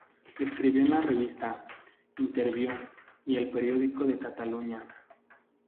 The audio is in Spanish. Escribió en la revista "Interviú" y "El Periódico de Cataluña".